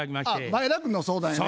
前田君の相談やね。